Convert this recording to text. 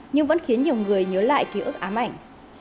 nhưng vẫn khiến nhiều người nhớ lại ký ức ám ảnh